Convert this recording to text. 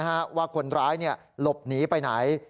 ว่าคนร้ายหลบหนีไปไหน